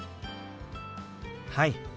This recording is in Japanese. はい。